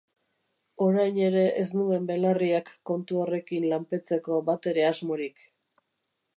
Orain ere ez nuen belarriak kontu horrekin lanpetzeko batere asmorik.